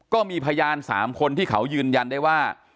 ก็มีพยาน๓คนที่เขายืนยันได้ว่า